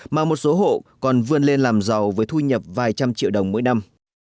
mà một số hộ còn vươn lên làm giàu với thu nhập vài trăm triệu đồng mỗi năm